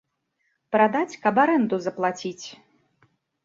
Прадаць, каб арэнду заплаціць.